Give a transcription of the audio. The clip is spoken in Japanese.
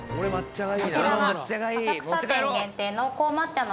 こちらが。